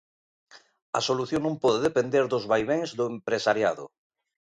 A solución non pode depender dos vaivéns do empresariado.